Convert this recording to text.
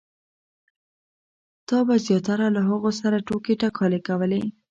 تا به زیاتره له هغو سره ټوکې ټکالې کولې.